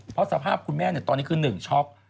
เพราะสภาพคุณแม่เนี่ยตอนนี้คือหนึ่งช็อค